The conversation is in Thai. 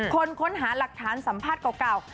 คนค้นหาหลักฐานสัมภาษณ์เก่า